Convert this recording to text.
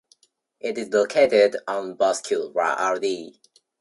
It is located on Bosque Rd.